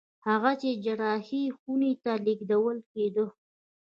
هغه چې د جراحي خونې ته لېږدول کېده